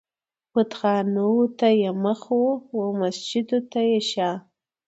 بتخانې و ته يې مخ وي و مسجد و ته يې شا